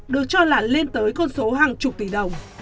được cho là lên tới con số hàng chục tỷ đồng